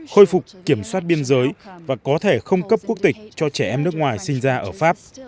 khôi phục kiểm soát biên giới và có thể không cấp quốc tịch cho trẻ em nước ngoài sinh ra ở pháp